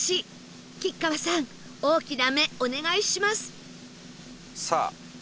吉川さん大きな目お願いします！